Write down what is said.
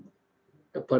dan juga melibatkan